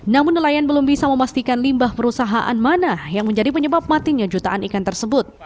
namun nelayan belum bisa memastikan limbah perusahaan mana yang menjadi penyebab matinya jutaan ikan tersebut